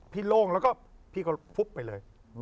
พี่โล่งแล้วก็พี่ก็ฟลุ๊ปไปเลย